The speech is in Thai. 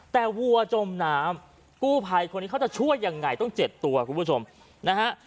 แต่วัวจมน้ำกู้ภัยคนนี้เขาจะช่วยยังไงต้องเจ็ดตัวคุณผู้ชมนะฮะ